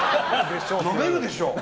なめるでしょ！